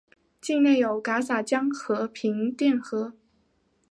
境内有戛洒江和平甸河。